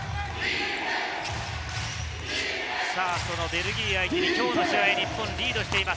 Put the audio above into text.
ベルギー相手に今日の試合、日本がリードしています。